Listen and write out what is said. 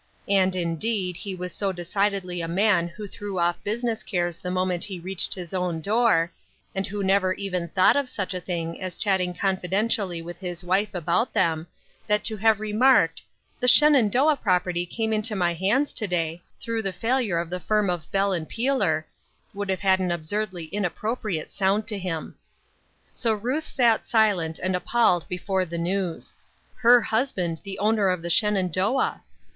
And, indeed, he was so decidedly a man who threw off business cares the moment he reached his own door, and who never even thought of such a thing as chatting confidentially with his wife about them, that to have remarked, " The Shenan doah property came into my hands to day, through the failure of the firm of Bell & Pealer, " would have had an absurdly inappropriate sound to him. So Ruth sat silent and appalled before the news. Her husband the owner of the Shenandoah